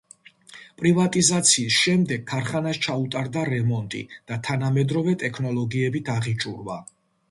პრივატიზაციის შემდეგ ქარხანას ჩაუტარდა რემონტი და თანამედროვე ტექნოლოგიებით აღიჭურვა.